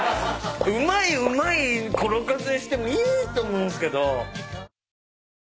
「うまいうまいころかつ」にしてもいいと思うんすけど。